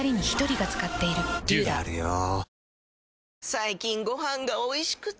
最近ご飯がおいしくて！